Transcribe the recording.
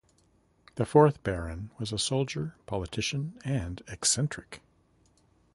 The fourth Baron was a soldier, politician and eccentric.